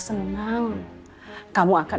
senang kamu akan